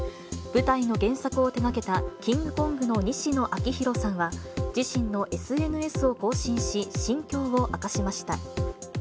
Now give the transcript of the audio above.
舞台の原作を手がけた、キングコングの西野亮廣さんは、自身のＳＮＳを更新し、心境を明かしました。